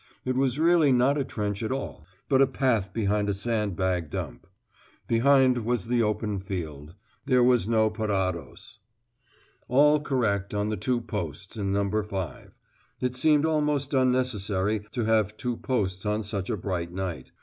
It was really not a trench at all, but a path behind a sand bag dump. Behind was the open field. There was no parados. All correct on the two posts in No. 5. It seemed almost unnecessary to have two posts on such a bright night.